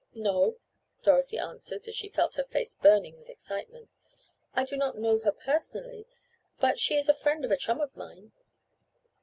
"No," Dorothy answered, as she felt her face burning with excitement. "I do not know her personally, but she is a friend of a chum of mine."